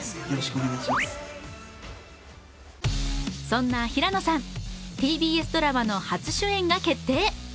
そんな平野さん、ＴＢＳドラマの初主演が決定。